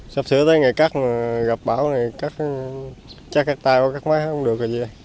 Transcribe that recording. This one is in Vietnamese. sắp sửa tới ngày cắt gặp bão này chắc cắt tay hoặc cắt máy không được gì